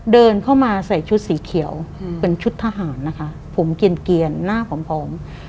เดินเข้ามาใส่ชุดสีเขียวเป็นชุดทหารนะคะผมเกียรหน้าผอม